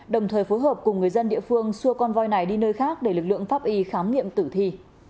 đồng thời phối hợp cùng người dân địa phương xua con voi này đi nơi khác để lực lượng pháp y khám nghiệm tử thi